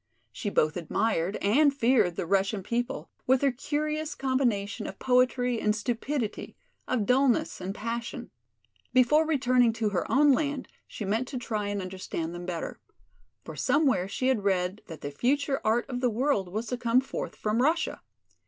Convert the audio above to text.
She both admired and feared the Russian people, with their curious combination of poetry and stupidity, of dullness and passion. Before returning to her own land she meant to try and understand them better. For somewhere she had read that the future art of the world was to come forth from Russia.